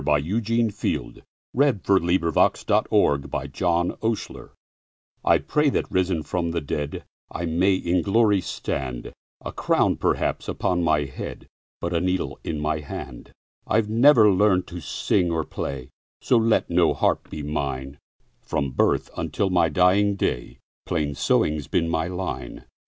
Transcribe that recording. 1912. Eugene Field 1850–1895 Eugene Field 230 Grandma's Prayer I PRAY that, risen from the dead,I may in glory stand—A crown, perhaps, upon my head, But a needle in my hand.I 've never learned to sing or play, So let no harp be mine; From birth unto my dying day, Plain sewing 's been my line.